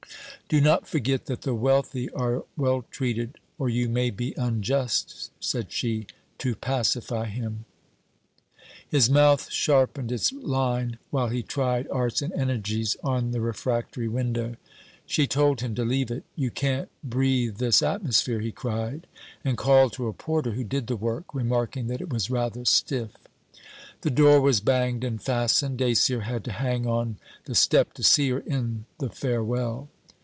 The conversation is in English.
'Do not forget that the wealthy are well treated, or you may be unjust,' said she, to pacify him. His mouth sharpened its line while he tried arts and energies on the refractory window. She told him to leave it. 'You can't breathe this atmosphere!' he cried, and called to a porter, who did the work, remarking that it was rather stiff. The door was banged and fastened. Dacier had to hang on the step to see her in the farewell.